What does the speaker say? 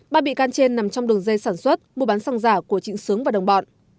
ba bị can trên nằm trong đường dây sản xuất mua bán xăng giả của trịnh sướng và đồng bọn